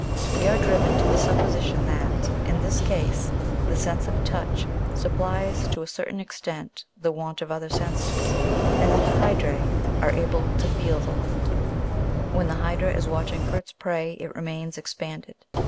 we are driven to* the supposition, that, in this case, the sense of touch sup plies to a certain extent the want of other senses, and that the hydrse are able to feel the light " When the hydra is watching for its prey, it remains expanded (Jig.